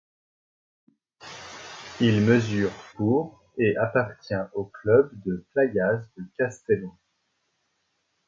Il mesure pour et appartient au club de Playas de Castellon.